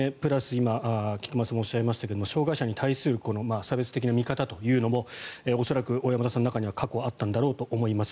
今、菊間さんがおっしゃいましたけど障害者に対する差別的な見方というのも恐らく小山田さんの中には過去にあったんだろうと思います。